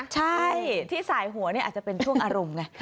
ใช่ที่สายหัวนี่อาจจะเป็นช่วงอารมณ์ไง